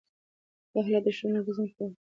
دا حالت د ښوونې او روزنې پر وړاندې خنډ دی.